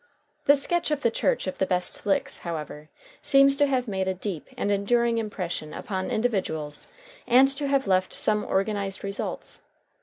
The sketch of the Church of the Best Licks, however, seems to have made a deep and enduring impression upon individuals and to have left some organized results.